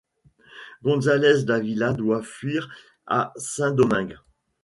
González Dávila doit fuir à Saint-Domingue.